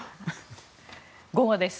午後です。